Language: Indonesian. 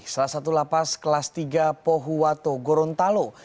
salah satu lapas kelas tiga pohuwato gorontalo